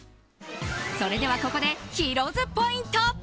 それではここでヒロ’ｓポイント。